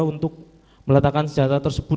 untuk meletakkan senjata tersebut